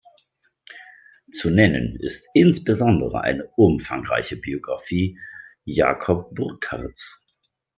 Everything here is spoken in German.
Zu nennen ist insbesondere eine umfangreiche Biografie Jacob Burckhardts.